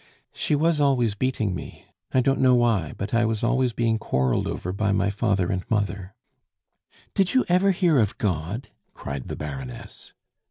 "She was always beating me. I don't know why, but I was always being quarreled over by my father and mother " "Did you ever hear of God?" cried the Baroness.